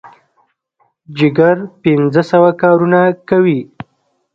جګر پنځه سوه کارونه کوي.